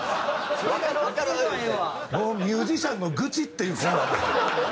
もう「ミュージシャンの愚痴」っていうコーナー。